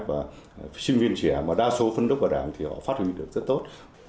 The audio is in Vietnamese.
và sinh viên trẻ mà đa số phân đốc vào đảng thì họ phát huy được rất tốt